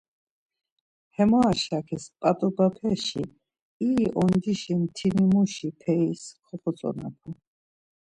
Hamora şakis p̌at̆obapeşi iri ondişi mtinimuşi peris koxotzonapu.